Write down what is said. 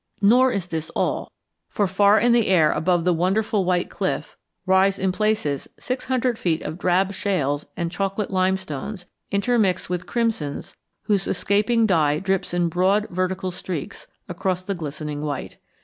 Nor is this all, for far in the air above the wonderful White Cliff rise in places six hundred feet of drab shales and chocolate limestones intermixed with crimsons whose escaping dye drips in broad vertical streaks across the glistening white.